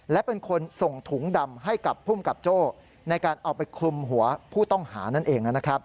และเป็นคนส่งถุงดำให้กับภูมิกับโจ้ในการเอาไปคลุมหัวผู้ต้องหานั่นเอง